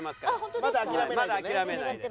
まだ諦めないで。